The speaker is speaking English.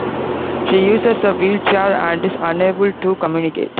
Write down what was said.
She uses a wheelchair and is unable to communicate.